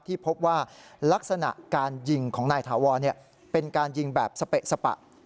ที่พบว่าลักษณะการยิงของนายถาวรเป็นการยิงแบบสเปะสปะ